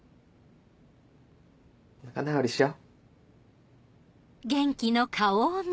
仲直りしよ？